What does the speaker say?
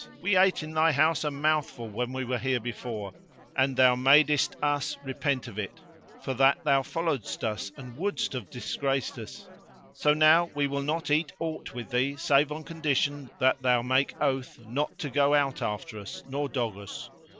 We ate in thy house a mouthful when we were here before and thou madest us repent of it, for that thou followedst us and wouldst have disgraced us; so now we will not eat aught with thee save on condition that thou make oath not to go out after us nor dog us.